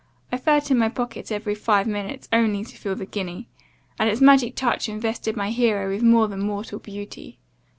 I felt in my pocket every five minutes, only to feel the guinea; and its magic touch invested my hero with more than mortal beauty.